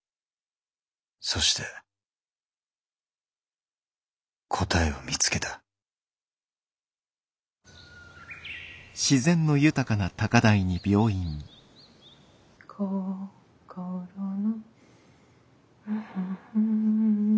そして答えを見つけた「こころの」